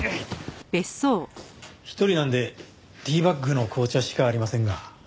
一人なんでティーバッグの紅茶しかありませんが。